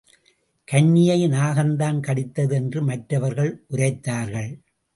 கன்னியை நாகம்தான் கடித்தது என்று மற்றவர்கள் உரைத்தார்கள்.